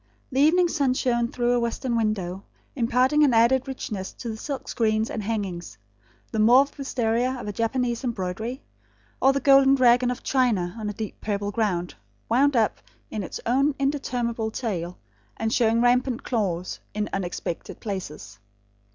The evening sun shone through a western window, imparting an added richness to the silk screens and hangings; the mauve wistaria of a Japanese embroidery; or the golden dragon of China on a deep purple ground, wound up in its own interminable tail, and showing rampant claws in unexpected places.